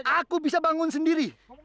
aku bisa bangun sendiri